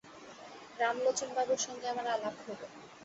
রামলোচনবাবুর সঙ্গে আমার আলাপ হইল।